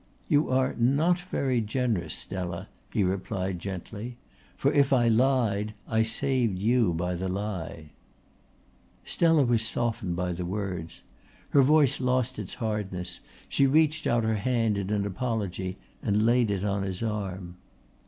"You are not very generous, Stella," he replied gently. "For if I lied, I saved you by the lie." Stella was softened by the words. Her voice lost its hardness, she reached out her hand in an apology and laid it on his arm.